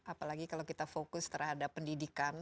apalagi kalau kita fokus terhadap pendidikan